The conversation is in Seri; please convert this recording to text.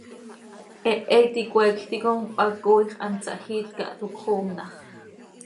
¡Hehe iti coeecj ticom cöhacooix hant sahjiit ca, toc cöxoom tax!